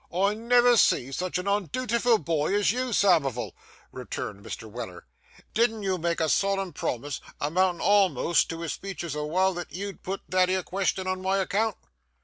'I never see such a undootiful boy as you, Samivel,' returned Mr. Weller. 'Didn't you make a solemn promise, amountin' almost to a speeches o' wow, that you'd put that 'ere qvestion on my account?